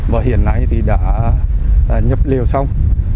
và hiện nay đã nhập liều xong